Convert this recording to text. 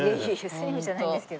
スリムじゃないんですけど。